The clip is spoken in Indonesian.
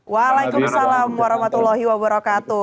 waalaikumsalam warahmatullahi wabarakatuh